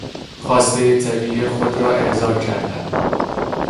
خواستهی طبیعی خود را ارضا کردن